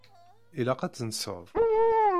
Ilaq ad tenseḍ.